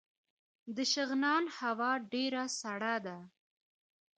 د شغنان هوا ډیره سړه ده